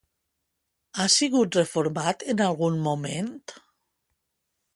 Ha sigut reformat en algun moment?